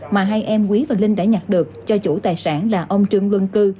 mà hai em quý và linh đã nhặt được cho chủ tài sản là ông trương luân cư